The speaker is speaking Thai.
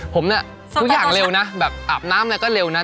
ผมน่ะก็เร็วน่ะแบบเลยใส่อาปน้ำ